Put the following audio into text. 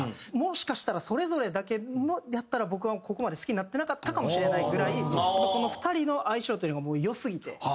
もしかしたらそれぞれだけやったら僕はここまで好きになってなかったかもしれないぐらいこの２人の相性というのがもう良すぎて。